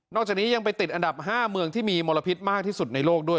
จากนี้ยังไปติดอันดับ๕เมืองที่มีมลพิษมากที่สุดในโลกด้วย